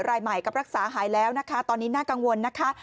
รายใหม่กับรักษาหายแล้วนะคะตอนนี้น่ากังวลนะคะ